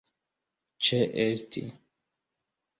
ĉeesti